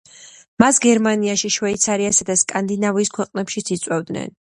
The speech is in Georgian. მას გერმანიაში, შვეიცარიასა და სკანდინავიის ქვეყნებშიც იწვევდნენ.